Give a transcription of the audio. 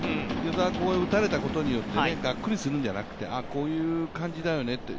與座、ここで打たれたことによってがっくりするんじゃなくてあ、こういう感じだよねと。